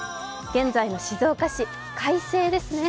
現在の静岡市、快晴ですね